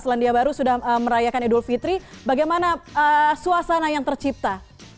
selandia baru sudah merayakan idul fitri bagaimana suasana yang tercipta